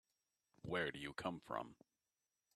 Where do you come from?